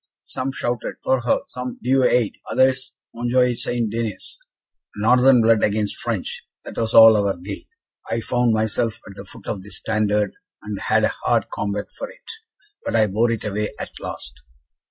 Some shouted, 'Thor Hulfe!' some 'Dieu aide!' others 'Montjoie St. Denis!' Northern blood against French, that was all our guide. I found myself at the foot of this standard, and had a hard combat for it; but I bore it away at last."